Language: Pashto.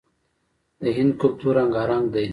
د هند کلتور رنګارنګ دی.